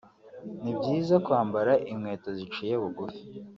ni byiza kwambara inkweto ziciye bugufi